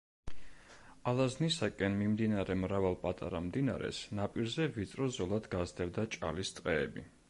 ალაზნისაკენ მიმდინარე მრავალ პატარა მდინარეს ნაპირზე ვიწრო ზოლად გასდევდა ჭალის ტყეები.